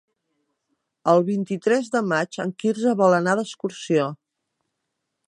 El vint-i-tres de maig en Quirze vol anar d'excursió.